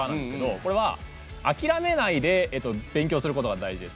これは、諦めないで勉強することが大事です。